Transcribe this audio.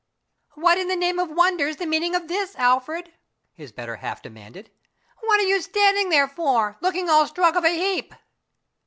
"What in the name of wonder's the meaning of this, Alfred?" his better half demanded. "What are you standing there for, looking all struck of a heap?"